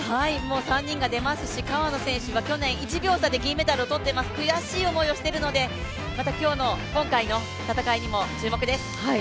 ３人が出ますし、川野選手は去年１秒差で銀メダルを取っています、悔しい思いをしているので、今回の戦いにも注目です。